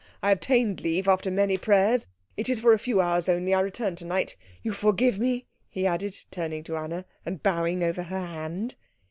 I obtained leave after many prayers. It is for a few hours only. I return to night. You forgive me?" he added, turning to Anna and bowing over her hand.